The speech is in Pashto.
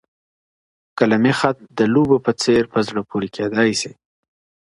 قلمي خط د لوبو په څیر په زړه پوري کیدای سي.